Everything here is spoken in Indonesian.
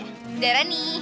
ya udah ran nih